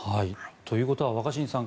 ということは若新さん